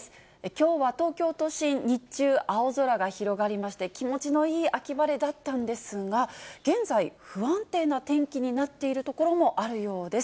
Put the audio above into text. きょうは東京都心、日中、青空が広がりまして、気持ちのいい秋晴れだったんですが、現在、不安定な天気になっている所もあるようです。